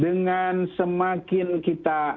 dengan semakin kita